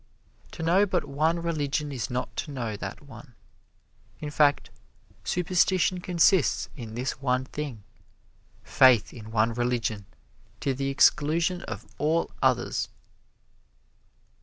To know but one religion is not to know that one. In fact, superstition consists in this one thing faith in one religion, to the exclusion of all others.